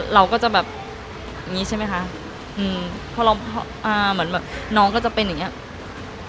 เราก็จะแบบอย่างนี้ใช่ไหมคะเพราะน้องก็จะเป็นอย่างนี้